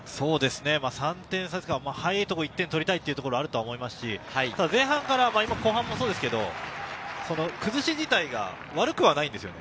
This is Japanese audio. ３点差ですから、早いところ１点を取りたいっていうところはあると思いますし、前半から後半もそうですけれど、崩し自体は悪くはないんですよね。